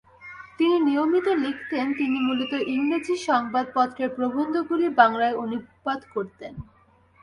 তিনি নিয়মিত লিখতেন; তিনি মূলত ইংরেজি সংবাদপত্রের প্রবন্ধগুলি বাংলায় অনুবাদ করতেন।